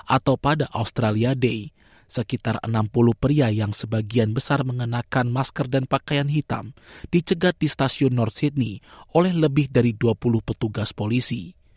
atau pada australia day sekitar enam puluh pria yang sebagian besar mengenakan masker dan pakaian hitam dicegat di stasiun nort sydney oleh lebih dari dua puluh petugas polisi